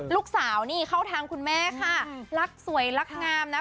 ลูกสาวนี่เข้าทางคุณแม่ค่ะรักสวยรักงามนะ